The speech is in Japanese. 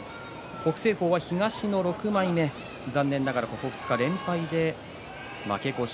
北青鵬は東の６枚目残念ながら、ここ２日連敗で負け越し。